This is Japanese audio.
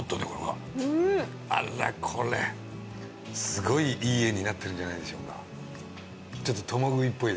すごいいい絵になってるんじゃないでしょうか。